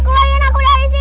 aku harus selamatkan mereka